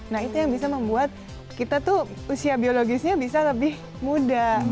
nah itu yang bisa membuat kita tuh usia biologisnya bisa lebih muda